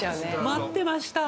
待ってました！